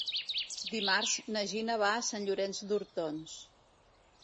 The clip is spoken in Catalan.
Dimarts na Gina va a Sant Llorenç d'Hortons.